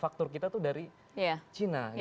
faktor kita itu dari cina